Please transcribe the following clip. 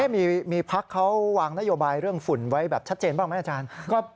มีพักเขาวางนโยบายเรื่องฝุ่นไว้แบบชัดเจนบ้างไหมอาจารย์